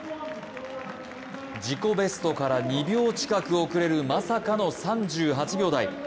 自己ベストから２秒近く遅れるまさかの３８秒台。